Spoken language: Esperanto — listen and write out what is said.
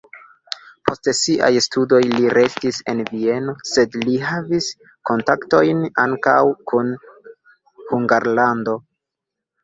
Post siaj studoj li restis en Vieno, sed li havis kontaktojn ankaŭ kun Hungarlando.